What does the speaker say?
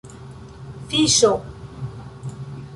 fiŝo